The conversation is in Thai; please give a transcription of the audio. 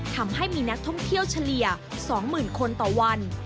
ทำให้มีนักท่องเที่ยวเฉลี่ย๒๐๐๐คนต่อวัน